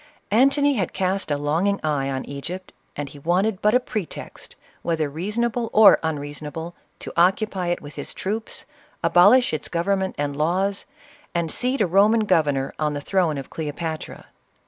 Antony had cast a longing eye on Egypt, and he wanted but a pretext, whether reasonable or unreason able, to occupy it with his troops, abolish its govern ment and laws, and seat a Roman governor on the throne of Cleopatra.